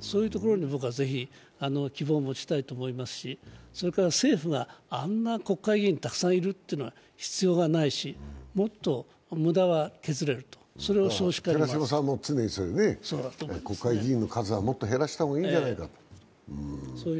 そういうところにぜひ希望を持ちたいと思いますし政府があんな国会議員がたくさんいるというのは必要がないし、寺島さんも常に国会議員の数は減らした方がいいんじゃないかと。